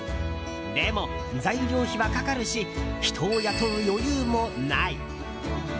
でも、材料費はかかるし人を雇う余裕もない。